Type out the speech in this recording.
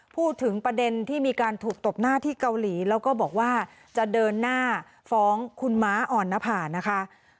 พูดถึงประเด็นที่มีการถูกตบหน้าที่เกาหลีแล้วก็บอกว่าจะเดินหน้าฟ้องคุณม้าอ่อนนภานะคะ